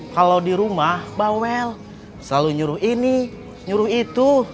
kalo dirumah bawel selalu nyuruh ini nyuruh itu